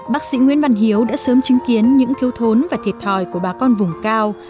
bác sĩ nguyễn văn hiếu đã sớm chứng kiến những thiếu thốn và thiệt thòi của bà con vùng cao